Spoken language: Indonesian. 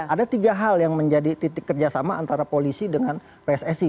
ada tiga hal yang menjadi titik kerjasama antara polisi dengan pssi